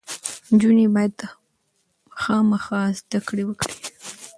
نجونې باید خامخا زده کړې وکړي.